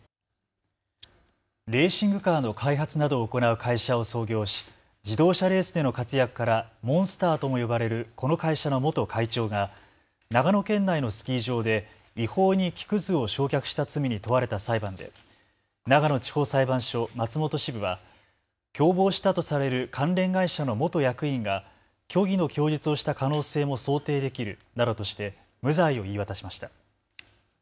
レーシングカーの開発などを行う会社を創業し自動車レースでの活躍からモンスターとも呼ばれるこの会社の元会長が長野県内のスキー場で違法に木くずを焼却した罪に問われた裁判で長野地方裁判所松本支部は共謀したとされる関連会社の元役員が虚偽の供述をした可能性も想定できるなどとして無罪を言い渡しました。